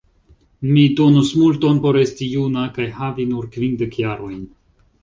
Mi donus multon por esti juna kaj havi nur kvindek jarojn.